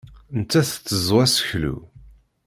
Nettat tetteẓẓu aseklu.